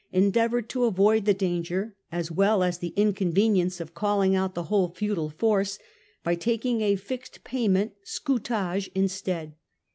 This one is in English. endeavoured to avoid the danger as well as the inconvenience of calling out the whole feudal force by taking a fixed payment (scutage) instead.